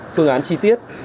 phương án chi tiết